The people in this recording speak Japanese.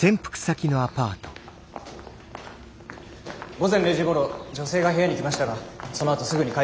午前０時ごろ女性が部屋に来ましたがそのあとすぐに帰っていきました。